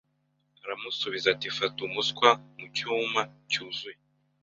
aramusubiza ati Fata umuswa mu cyuma cyuzuye